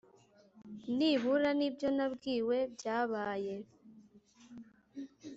nibura, nibyo nabwiwe byabaye